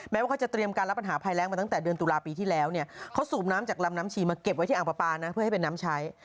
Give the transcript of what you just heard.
ว่าเขาจะเตรียมการรับปัญหาภัยแรงมาตั้งแต่เดือนตุลาปีที่แล้วเนี่ยเขาสูบน้ำจากลำน้ำชีมาเก็บไว้ที่อ่างปลาปลานะเพื่อให้เป็นน้ำใช้